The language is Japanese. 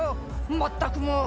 まったくもう」